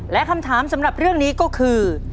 และคำถามสำหรับเรื่องนี้ก็คือ